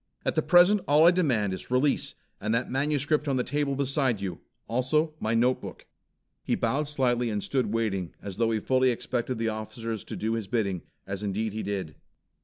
At the present all I demand is release and that manuscript on the table beside you. Also my notebook." He bowed slightly and stood waiting as though he fully expected the officers to do his bidding, as indeed he did.